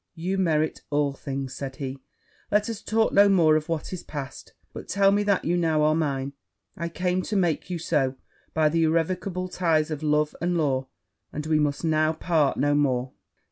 'You merit all things!' said he; 'let us talk no more of what is past, but tell me that you now are mine; I came to make you so by the irrevocable ties of love and law, and we must now part no more!